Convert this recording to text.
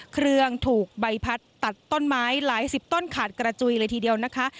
เครื่องถูกใบพัดตัดต้นไม้หลายสิบต้นขาดกระจุยเลยทีเดียวนะคะ